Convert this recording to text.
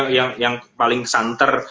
nah ini yang paling santer